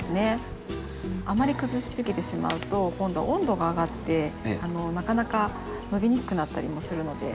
あまり崩しすぎてしまうと今度温度が上がってなかなか伸びにくくなったりもするので。